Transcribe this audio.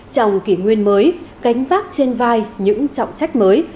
trong kỷ nguyên mới cánh vác trên vai những trọng trách mới